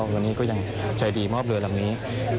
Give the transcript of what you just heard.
วันนี้ก็ยังใจดีมอบเรือลำนี้